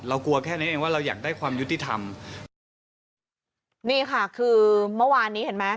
กลัวแค่นี้เองว่าเราอยากได้ความยุติธรรมนี่ค่ะคือเมื่อวานนี้เห็นไหม